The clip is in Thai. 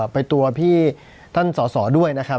ไปตัวพี่ท่านสอสอด้วยนะครับ